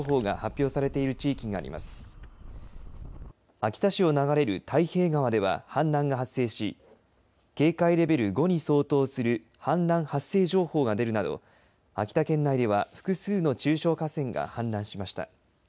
秋田市を流れる太平川では氾濫が発生し警戒レベル５に相当する氾濫発生情報が出るなど秋田県内では複数の中小河川が氾濫しました。